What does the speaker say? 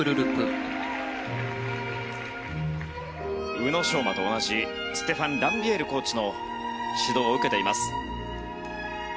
宇野昌磨と同じステファン・ランビエールコーチの指導を受けています。